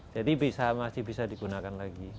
jadi bisa masih bisa digunakan lagi